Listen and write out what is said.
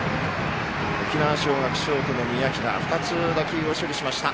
沖縄尚学、ショートの宮平２つ、打球を処理しました。